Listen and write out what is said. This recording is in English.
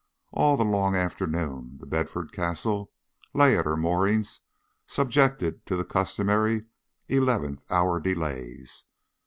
All the long afternoon The Bedford Castle lay at her moorings subjected to the customary eleventh hour delays.